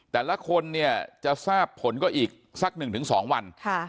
แต่ละคนเนี่ยจะทราบผลก็อีกสัก๑๒วัน